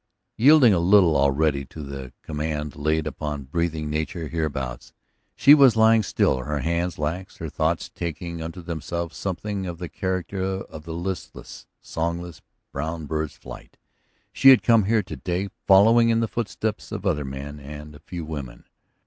Yielding a little already to the command laid upon breathing nature hereabouts, she was lying still, her hands lax, her thoughts taking unto themselves something of the character of the listless, songless brown bird's flight. She had come here to day following in the footsteps of other men and a few women.